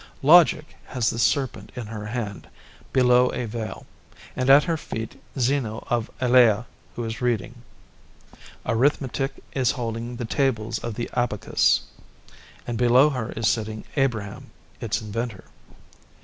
Logic has the serpent in her hand below a veil, and at her feet Zeno of Elea, who is reading. Arithmetic is holding the tables of the abacus, and below her is sitting Abraham, its inventor.